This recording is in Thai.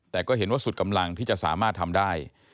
แต่ก็เห็นว่าสุดกำลังที่จะสามารถทำได้